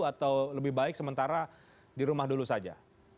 atau lebih baik sementara di rumah dulu saja